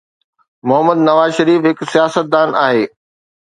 محمد نواز شريف هڪ سياستدان آهي.